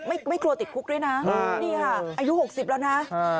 อายุหกสิบแล้วนะ